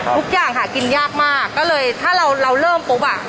ทุกอย่างหากินยากมากก็เลยถ้าเราเริ่มปุ๊บอ่ะ